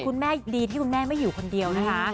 ดีที่คุณแม่ไม่อยู่คนเดียวนะคะ